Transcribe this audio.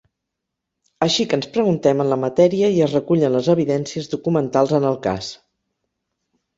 Així que ens preguntem en la matèria i es recullen les evidències documentals en el cas.